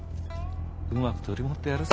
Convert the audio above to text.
うまく取り持ってやるさ。